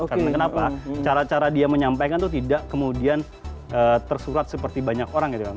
karena kenapa cara cara dia menyampaikan itu tidak kemudian tersurat seperti banyak orang gitu